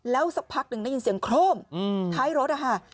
แล้วสักพักหนึ่งได้ยินเสียงโครมท้ายรถนะคะ